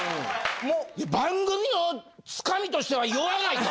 番組の掴みとしては弱ないか？